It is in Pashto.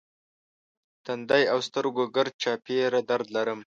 تندی او سترګو ګرد چاپېره درد لرم.